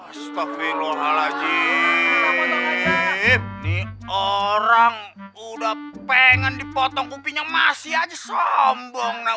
astagfirullahaladzim nih orang udah pengen dipotong kupingnya masih aja sombong nah